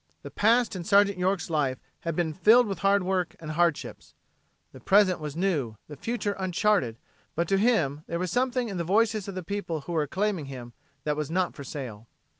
The past in Sergeant York's life had been filled with hard work and hardships, the present was new, the future uncharted, but to him there was something in the voices of the people who were acclaiming him that was not for sale.